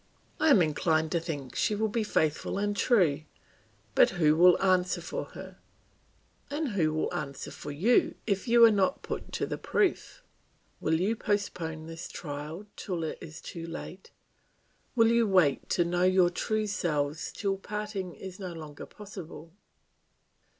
I am inclined to think she will be faithful and true; but who will answer for her, and who will answer for you if you are not put to the proof? Will you postpone this trial till it is too late, will you wait to know your true selves till parting is no longer possible?